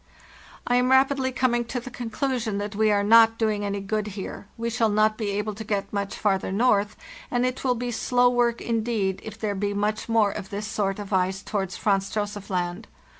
"T am rapidly coming to the conclusion that we are not doing any good here. We shall not be able to get much farther north, and it will be slow work indeed if there be much more of this sort of ice towards Franz Josef Land.